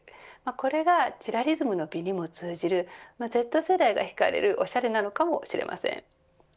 これが、チラリズムの美にも通じるＺ世代が引かれるおしゃれなのかもしれません。